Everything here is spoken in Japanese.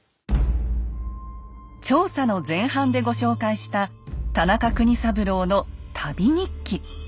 調査の前半でご紹介した田中国三郎の旅日記。